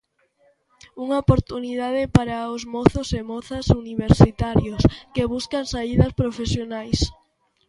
Unha oportunidade para os mozos e mozas universitarios que buscan saídas profesionais.